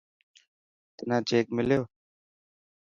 تنا چيڪ مليو.